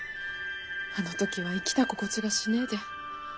あの時は生きた心地がしねぇで。